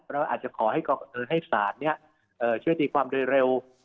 เราอาจจะขอให้สารเนี้ยเอ่อช่วยตีความเร็วเร็ว